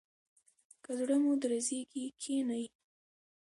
که زړه مو درزیږي کښینئ.